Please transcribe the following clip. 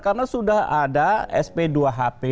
karena sudah ada sp dua hp